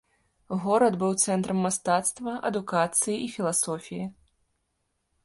Горад быў цэнтрам мастацтва, адукацыі і філасофіі.